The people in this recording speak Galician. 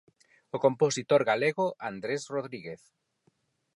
O compositor galego Andrés Rodríguez.